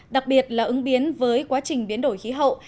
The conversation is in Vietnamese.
đặc biệt là ứng biến với quá trình biến đổi khí hậu